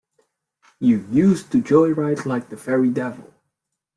You used to joyride like the very devil.